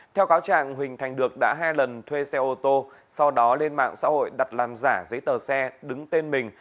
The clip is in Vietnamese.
theo cáo trạng huỳnh thành được đã hai lần thuê xe ô tô sau đó lên mạng xã hội đặt làm giả giấy tờ xe đứng tên mình